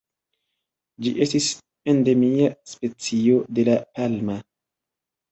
Ĝi estis endemia specio de La Palma.